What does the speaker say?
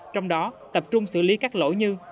trong đó tập trung xử lý các lỗi như